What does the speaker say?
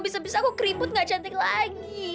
bisa bisa aku keribut gak cantik lagi